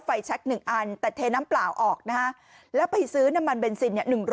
แช็ค๑อันแต่เทน้ำเปล่าออกนะฮะแล้วไปซื้อน้ำมันเบนซิน